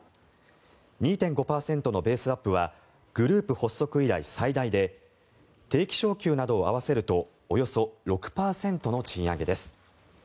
２．５％のベースアップはグループ発足以来最大で定期昇給などを合わせるとおよそ６％の賃上げです。